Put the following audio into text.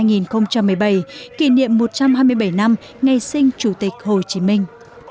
được một trăm hai mươi bảy năm ngày sinh chủ tịch hồ chí minh